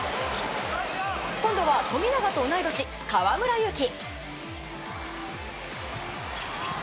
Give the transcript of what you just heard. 今度は富永と同い年、河村勇輝。